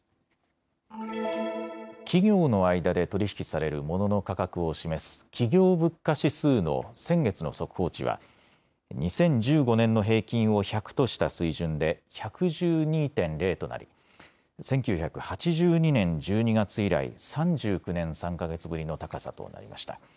企業の間で取り引きされるモノの価格を示す企業物価指数の先月の速報値は２０１５年の平均を１００とした水準で１１２．０となり１９８２年１２月以来、３９年３か月ぶりの高さとなりました。